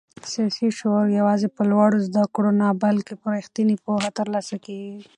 سیاسي شعور یوازې په لوړو زده کړو نه بلکې په رښتینې پوهه ترلاسه کېږي.